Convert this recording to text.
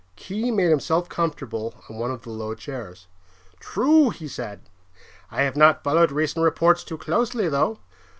Khee made himself comfortable on one of the low chairs. "True," he said. "I have not followed recent reports too closely, though.